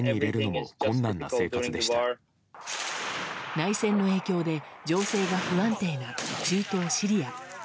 内戦の影響で情勢が不安定な中東シリア。